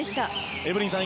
エブリンさん